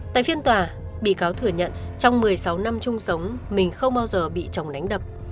tại phiên tòa bị cáo thừa nhận trong một mươi sáu năm chung sống mình không bao giờ bị chồng đánh đập